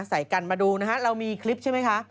ใส่กันมาดูนะฮะเรามีคลิปใช่ไหมคะ